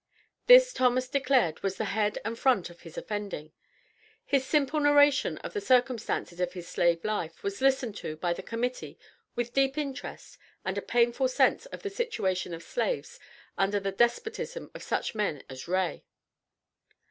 This Thomas declared was the head and front of his offending. His simple narration of the circumstances of his slave life was listened to by the Committee with deep interest and a painful sense of the situation of slaves under the despotism of such men as Ray.